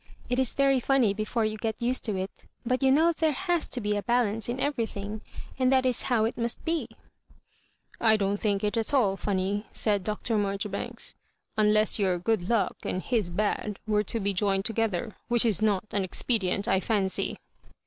It is very funny before you get used to it ; but you know there has to be a balance in every thing, and that is how it must be." I don't think it at all funny," said Dr. Mar joribanks, " unless your good luck and his bad were to be joined together ; which is not an ex pedient I &ncy."